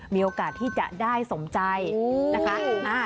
มีโอกาสที่จะได้สมใจนะคะ